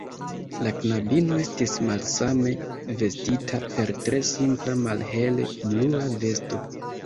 La knabino estis malsame vestita, per tre simpla, malhele blua vesto.